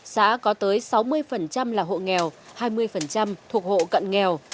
xã có tới sáu mươi là hộ nghèo hai mươi thuộc hộ cận nghèo